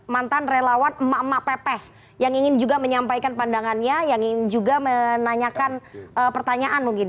mantan relawan emak emak pepes yang ingin juga menyampaikan pandangannya yang ingin juga menanyakan pertanyaan mungkin